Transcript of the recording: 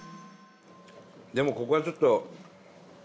でもここはちょっと。